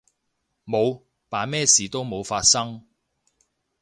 冇，扮咩事都冇發生